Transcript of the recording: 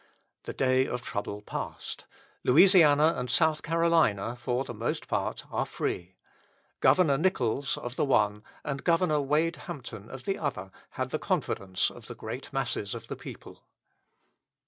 The day of trouble passed. Louisiana and South Carolina for the most part are free. Governor Nichols of the one, and Governor Wade Hampton of the other, had the confidence of the great masses of the people.